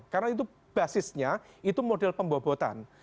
karena itu basisnya itu model pembobotan